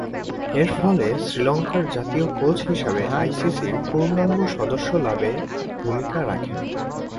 এরফলে শ্রীলঙ্কার জাতীয় কোচ হিসেবে আইসিসি’র পূর্ণাঙ্গ সদস্য লাভে ভূমিকা রাখেন।